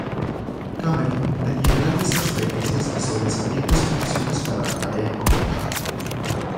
Cameron tenía gran experiencia y sobresalientes condiciones para la tarea encomendada.